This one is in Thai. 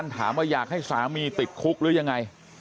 ถามว่าอยากให้สามีติดคุกหรือยังไง